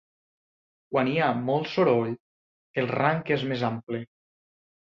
Quan hi ha molt soroll, el rang és més ample.